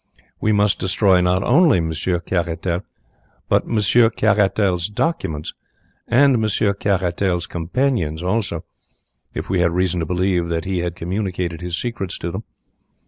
We must destroy not only Monsieur Caratal, but Monsieur Caratal's documents, and Monsieur Caratal's companions also, if we had reason to believe that he had communicated his secrets to them.